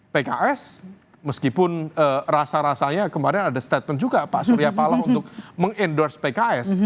pks meskipun rasa rasanya kemarin ada statement juga pak surya paloh untuk mengendorse pks